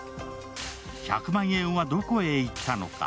１００万円はどこへいったのか。